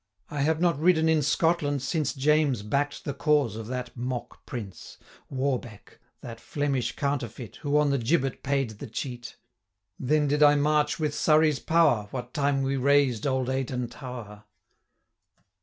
295 I have not ridden in Scotland since James back'd the cause of that mock prince, Warbeck, that Flemish counterfeit, Who on the gibbet paid the cheat. Then did I march with Surrey's power, 300 What time we razed old Ayton tower.'